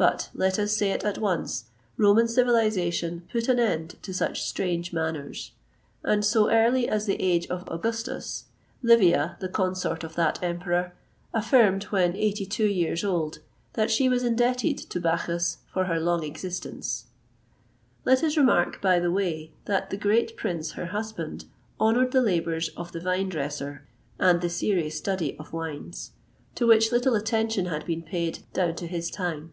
[XXVIII 139] But, let us say it at once Roman civilisation put an end to such strange manners; and so early as the age of Augustus, Livia, the consort of that emperor, affirmed, when eighty two years old, that she was indebted to Bacchus for her long existence.[XXVIII 140] Let us remark, by the way, that the great prince, her husband, honoured the labours of the vine dresser and the serious study of wines,[XXVIII 141] to which little attention had been paid down to his time.